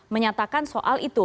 menyatakan soal itu